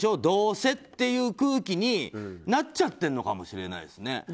どうせっていう空気になっちゃってるのかもしれないですね。